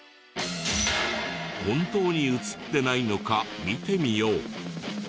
本当に映ってないのか見てみよう。